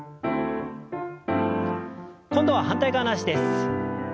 今度は反対側の脚です。